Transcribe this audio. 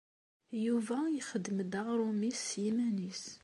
Yuba ixeddem-d aɣṛum-is s yiman-is.